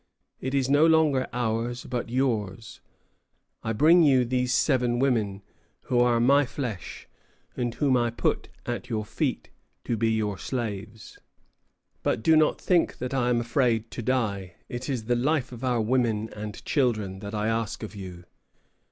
It is no longer ours, but yours. I bring you these seven women, who are my flesh, and whom I put at your feet, to be your slaves. But do not think that I am afraid to die; it is the life of our women and children that I ask of you."